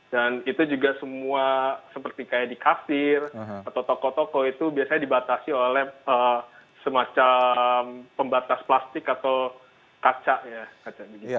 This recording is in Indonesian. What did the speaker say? dan itu juga semua seperti di kafir atau toko toko itu biasanya dibatasi oleh semacam pembatas plastik atau kaca